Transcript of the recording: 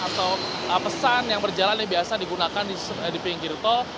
atau pesan yang berjalan yang biasa digunakan di pinggir tol